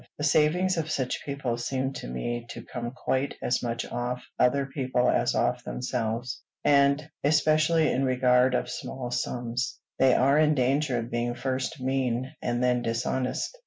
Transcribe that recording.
The savings of such people seem to me to come quite as much off other people as off themselves; and, especially in regard of small sums, they are in danger of being first mean, and then dishonest.